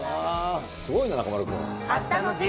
すごいな、中丸君。